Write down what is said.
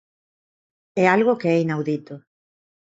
É algo que é inaudito.